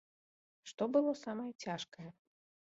Што было самае цяжкае?